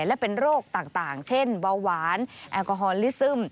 และเป็นโรคต่างเช่นเบาหวานแอลกอฮอลลิซึม